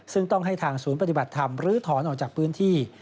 ซึ่งต้องให้ทางศูนย์ปฏิบัติธรรมลื้อถอนออกจากพื้นที่